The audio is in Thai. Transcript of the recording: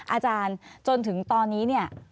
อาจารย์จนถึงตอนนี้เนี่ย